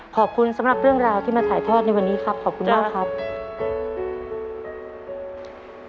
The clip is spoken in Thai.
ขอบคุณสำหรับเรื่องราวที่มาถ่ายทอดในวันนี้ครับขอบคุณมากครับ